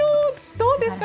どうですか？